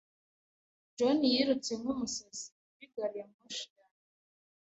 John yirutse nkumusazi kuri gari ya moshi ya nyuma.